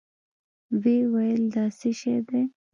ويې ويل دا څه شې دي؟